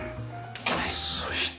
そして。